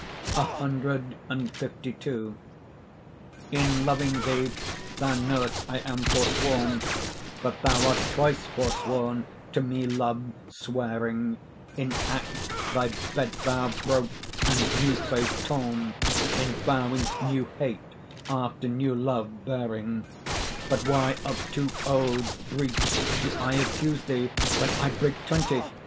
CLII In loving thee thou know'st I am forsworn, But thou art twice forsworn, to me love swearing; In act thy bed vow broke, and new faith torn, In vowing new hate after new love bearing: But why of two oaths' breach do I accuse thee, When I break twenty?